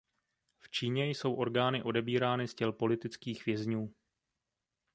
V Číně jsou orgány odebírány z těl politických vězňů.